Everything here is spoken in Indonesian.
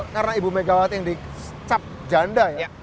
karena ibu megawati yang dicap janda ya